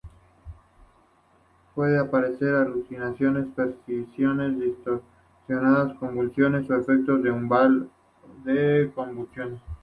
Pueden aparecer alucinaciones, percepciones distorsionadas, convulsiones o efectos en el umbral de convulsiones.